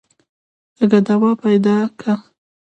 اگه دوا پيدا که.